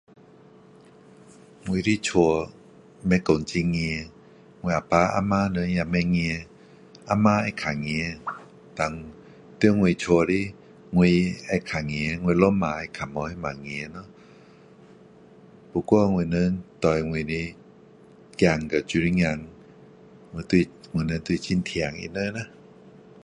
我的家不会说很严我啊爸啊妈人也不严啊妈会较严然后在我家的我会较严我老婆会较不那么严咯不过我们对我的儿子和女儿我都在我们都是很疼他们啦